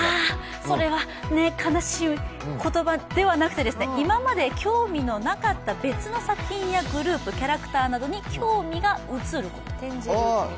それは悲しい言葉ではなくて今まで興味のなかった別の作品やグループ、キャラクターなどに興味が移る。